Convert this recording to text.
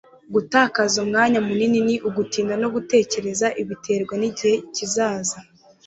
gutakaza umwanya munini ni ugutinda no gutegereza, biterwa nigihe kizaza